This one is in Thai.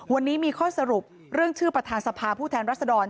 วันนี้มีข้อสรุปเรื่องชื่อประธานสภาผู้แทนรัศดร